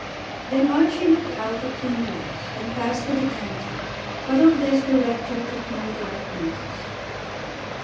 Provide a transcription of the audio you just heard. Then Archie looked out a clean glass and passed the decanter; but of this the rector took no direct notice.